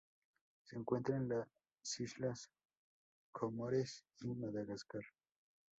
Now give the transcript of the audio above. Se encuentra en las Islas Comores y Madagascar.